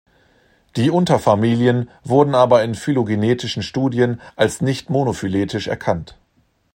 Die Unterfamilien wurden aber in phylogenetischen Studien als nicht monophyletisch erkannt.